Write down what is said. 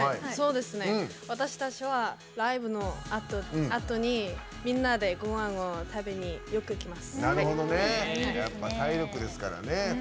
私たちはライブのあとにみんなでごはんを食べによく行きます。